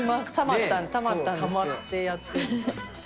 たまってやって。